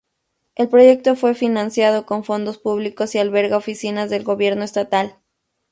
El proyecto fue financiado con fondos públicos y alberga oficinas del gobierno estatal.